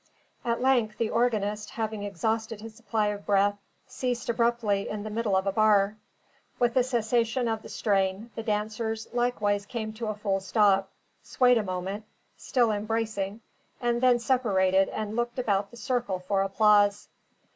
At length the organist, having exhausted his supply of breath, ceased abruptly in the middle of a bar. With the cessation of the strain, the dancers likewise came to a full stop, swayed a moment, still embracing, and then separated and looked about the circle for applause.